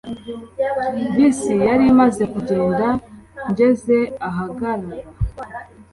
Bisi yari imaze kugenda ngeze ahagarara